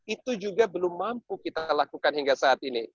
itu juga belum mampu kita lakukan hingga saat ini